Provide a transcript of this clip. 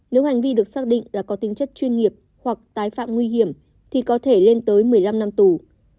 nếu hành vi được xác định là có tính chất chuyên nghiệp hoặc tái phạm nguy hiểm thì có thể lên tới một mươi năm năm tù